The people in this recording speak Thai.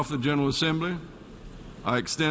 คุณพระเจ้า